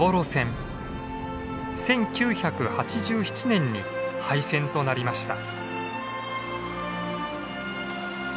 １９８７年に廃線となりました。